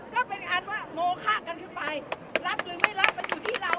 ก็เป็นการว่าโมคะกันขึ้นไปรักหรือไม่รักมันอยู่ที่เรา